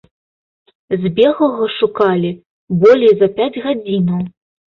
Збеглага шукалі болей за пяць гадзінаў.